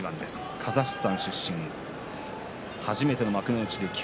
カザフスタン出身、初めての幕内９